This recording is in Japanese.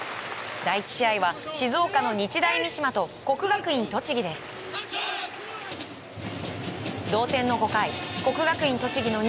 第１試合は静岡の日大三島と栃木の国学院栃木です。